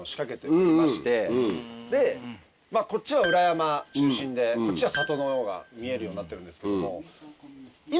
こっちは裏山中心でこっちは里のほうが見えるようになってるんですけれども。